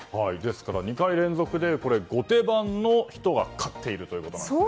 ２回連続で後手番の人が勝っているということですね。